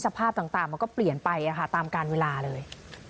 สภาพต่างมันก็เปลี่ยนไปตามการเวลาเลย